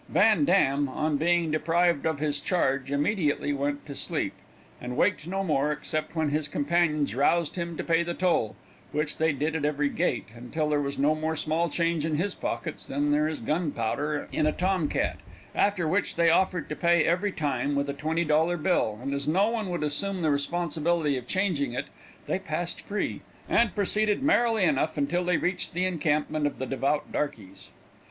Van Dam, on being deprived of his charge, immediately went to sleep, and waked no more, except when his companions roused him to pay the toll, which they did at every gate, until there was no more small change in his pockets than there is gunpowder in a tom cat, after which they offered to pay every time with a twenty dollar bill, and as no one would assume the responsibility of changing it, they passed free, and proceeded merrily enough until they reached the encampment of the devout darkeys.